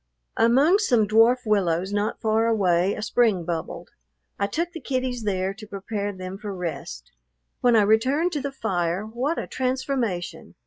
Among some dwarf willows not far away a spring bubbled. I took the kiddies there to prepare them for rest. When I returned to the fire, what a transformation!